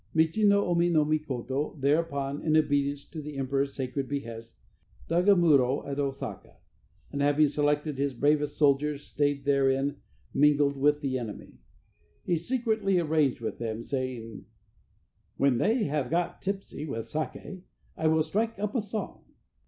Michi no Omi no Mikoto thereupon, in obedience to the emperor's sacred behest, dug a muro at Osaka, and having selected his bravest soldiers, stayed therein mingled with the enemy. He secretly arranged with them, saying: "When they have got tipsy with sake, I will strike up a song.